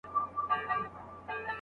کندهاري خټګران د خټې څخه کوم لوښي جوړوي؟